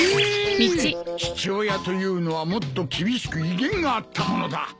父親というのはもっと厳しく威厳があったものだ。